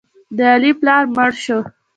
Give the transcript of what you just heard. د علي پلار مړ شو.